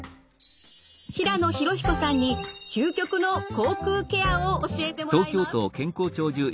平野浩彦さんに究極の口腔ケアを教えてもらいます。